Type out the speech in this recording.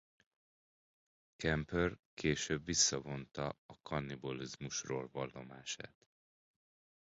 Kemper később visszavonta a kannibalizmusról vallomását.